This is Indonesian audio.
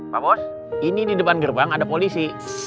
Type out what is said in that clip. pak bos ini di depan gerbang ada polisi